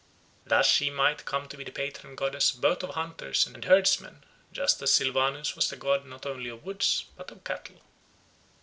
Thus she might come to be the patron goddess both of hunters and herdsmen, just as Silvanus was the god not only of woods, but of cattle.